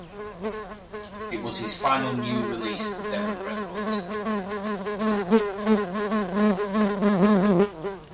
It was his final new release for Deram Records.